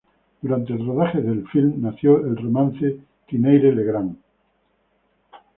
Durante el rodaje del filme nació el romance Tinayre-Legrand.